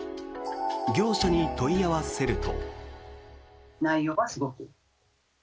業者に問い合わせると。